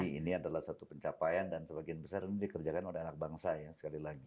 jadi ini adalah satu pencapaian dan sebagian besar ini dikerjakan oleh anak bangsa ya sekali lagi